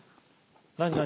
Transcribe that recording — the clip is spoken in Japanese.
何何？